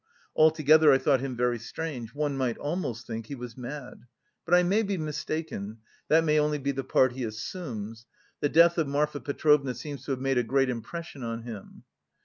Altogether, I thought him very strange.... One might almost think he was mad. But I may be mistaken; that may only be the part he assumes. The death of Marfa Petrovna seems to have made a great impression on him."